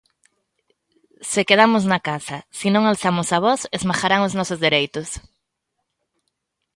Se quedamos na casa, se non alzamos a nosa voz, esmagarán os nosos dereitos.